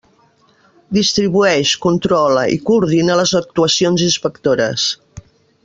Distribueix, controla i coordina les actuacions inspectores.